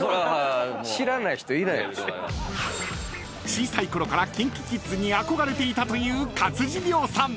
［小さいころからＫｉｎＫｉＫｉｄｓに憧れていたという勝地涼さん］